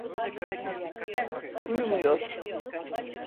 Uyumuyor.